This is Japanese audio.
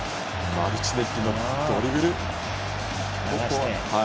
マルチネッリのドリブル。